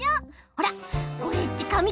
ほらオレっちかみ